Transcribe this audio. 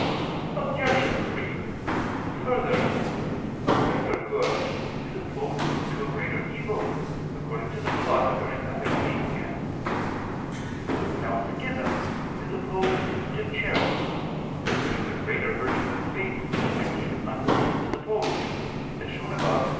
Obj. 3: Further, a greater good is opposed to a greater evil, according to the Philosopher (Ethic. viii, 10). Now schism is opposed to charity, which is a greater virtue than faith to which unbelief is opposed, as shown above (Q.